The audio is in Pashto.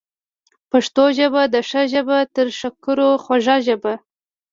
پښتو ژبه ده ښه ژبه، تر شکرو خوږه ژبه